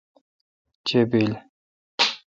چے°بیل۔